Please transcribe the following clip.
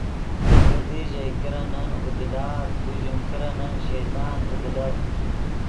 کیدی ژئے کرنن اودیلآت کو ژیم کرنن شیطان اودیلڤد